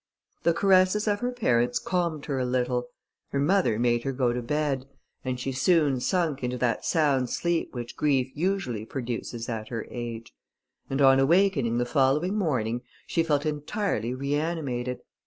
The caresses of her parents calmed her a little; her mother made her go to bed, and she soon sunk into that sound sleep which grief usually produces at her age; and on awakening the following morning, she felt entirely reanimated.